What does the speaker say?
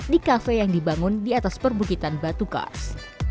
di kafe yang dibangun di atas perbukitan batu kars